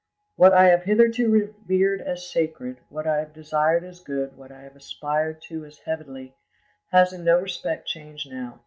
"What I have hitherto revered as sacred, what I have desired as good what I have aspired to as heavenly, has in no respect changed now.